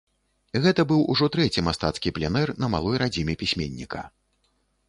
Гэта быў ужо трэці мастацкі пленэр на малой радзіме пісьменніка.